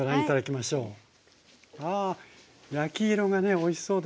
ああ焼き色がねおいしそうですね。